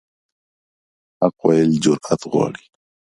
حق ویل جرأت غواړي.